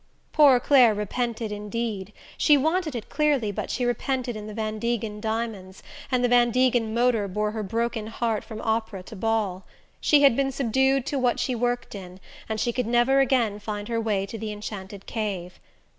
Poor Clare repented, indeed she wanted it clearly but she repented in the Van Degen diamonds, and the Van Degen motor bore her broken heart from opera to ball. She had been subdued to what she worked in, and she could never again find her way to the enchanted cave...